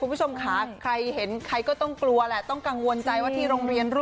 คุณผู้ชมค่ะใครเห็นใครก็ต้องกลัวแหละต้องกังวลใจว่าที่โรงเรียนรู้